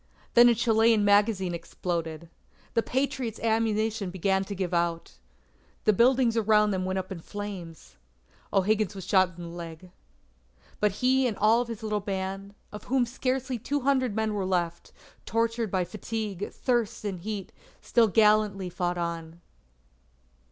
Then a Chilean magazine exploded. The Patriots' ammunition began to give out. The buildings around them went up in flames. O'Higgins was shot in the leg. But he and all of his little band, of whom scarcely two hundred men were left, tortured by fatigue, thirst, and heat, still gallantly fought on.